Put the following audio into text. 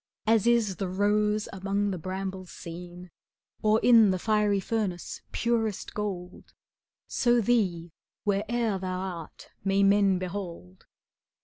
As is the rose among the brambles seen, Or in the fiery furnace purest gold, ^° So thee, where'er thou art, may men behold.